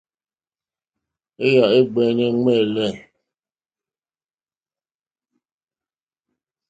Èyà é ɡbɛ̀ɛ̀nɛ̀ ŋmɛ̂lɛ̂.